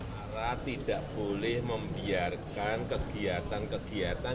para tidak boleh membiarkan kegiatan kegiatan